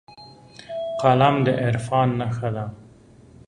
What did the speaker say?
قلم د عرفان نښه ده